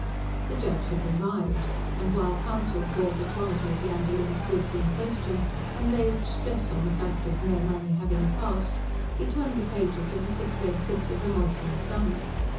The judge had revived, and while counsel called the quality of the undelivered goods in question, and laid stress on the fact of no money having passed, he turned the pages of a thick red book with a moistened thumb.